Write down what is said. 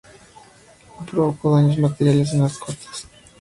No provocó daños materiales en las costas.